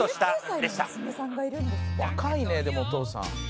「若いねでもお父さん。